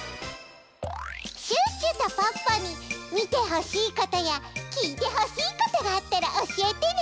シュッシュとポッポにみてほしいことやきいてほしいことがあったらおしえてね！